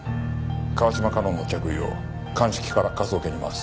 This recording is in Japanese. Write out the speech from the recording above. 川島香音の着衣を鑑識から科捜研に回す。